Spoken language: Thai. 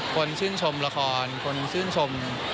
คนชื่นชมละครคนชื่นชม